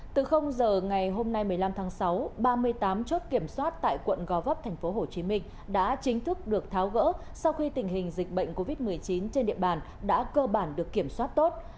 từ giờ ngày hôm nay một mươi năm tháng sáu ba mươi tám chốt kiểm soát tại quận gò vấp tp hcm đã chính thức được tháo gỡ sau khi tình hình dịch bệnh covid một mươi chín trên địa bàn đã cơ bản được kiểm soát tốt